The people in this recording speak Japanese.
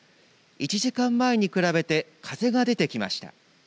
１時間前に比べて風が出てきました。